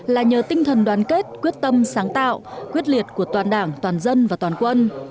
là nhờ tinh thần đoàn kết quyết tâm sáng tạo quyết liệt của toàn đảng toàn dân và toàn quân